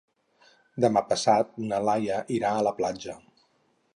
Demà passat na Laia irà a la platja.